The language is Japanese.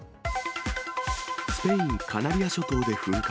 スペイン・カナリア諸島で噴火。